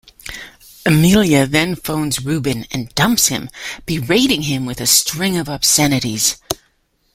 Amelia then phones Rubén and dumps him, berating him with a string of obscenities.